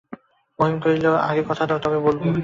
মহিম কহিলেন, আগে কথা দাও, তবে বলব।